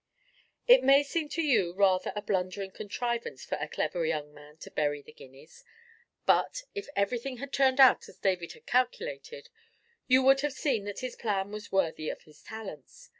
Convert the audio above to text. It may seem to you rather a blundering contrivance for a clever young man to bury the guineas. But, if everything had turned out as David had calculated, you would have seen that his plan was worthy of his talents.